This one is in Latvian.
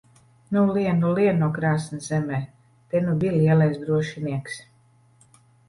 Nu, lien nu lien no krāsns zemē! Te nu bij lielais drošinieks!